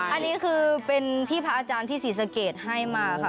อันนี้คือเป็นที่พระอาจารย์ที่ศรีสะเกดให้มาค่ะ